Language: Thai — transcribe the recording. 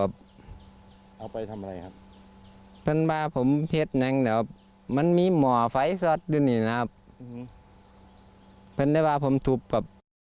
เพื่อนบ้าผมเผ็ดแน่งมันมีหม่อไฟซอสอยู่นี่นะครับเพื่อนได้บ้าผมทุบแบบ